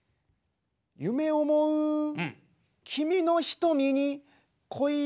夢思う君の瞳に恋をした。